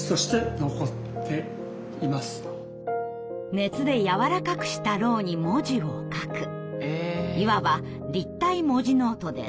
熱でやわらかくした蝋に文字を書くいわば立体文字ノートです。